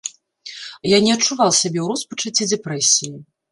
Я не адчуваў сябе ў роспачы ці дэпрэсіі.